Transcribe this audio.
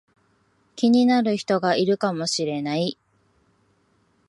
気になる人がいるかもしれない